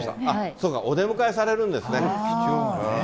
そうか、お出迎えされるんですね。